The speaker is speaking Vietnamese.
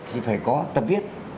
thì phải có tập viết